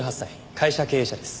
会社経営者です。